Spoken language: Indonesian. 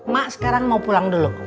mak sekarang mau pulang dulu